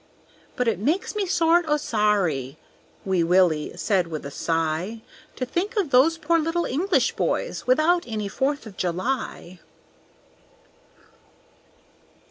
"But it makes me sort o' sorry," Wee Willie said with a sigh, "To think of those poor little English boys Without any Fourth of July."